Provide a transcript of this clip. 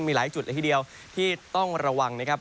มีหลายจุดเลยทีเดียวที่ต้องระวังนะครับ